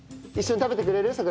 一緒に食べてくれる？